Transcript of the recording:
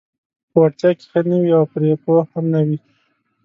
په وړتیا کې ښه نه وي او پرې پوه هم نه وي: